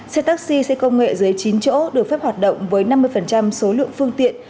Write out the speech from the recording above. xe taxi xe công nghệ dưới chín chỗ được phép hoạt động với năm mươi số lượng phương tiện